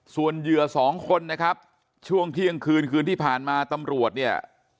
ส่วนเหยื่อสองคนนะครับช่วงเที่ยงคืนคืนที่ผ่านมาตำรวจเนี่ย